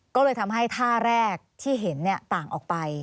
ก็เลยทำให้ท่าแรกที่เห็นต่างออกไป